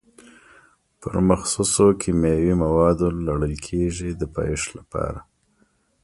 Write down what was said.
پر مخصوصو کیمیاوي موادو لړل کېږي د پایښت لپاره.